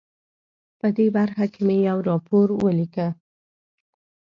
په دې برخه کې مې یو راپور ولیک.